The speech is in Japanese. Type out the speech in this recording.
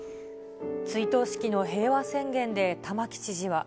追悼式の平和宣言で玉城知事は。